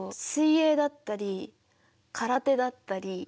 水泳だったり空手だったり。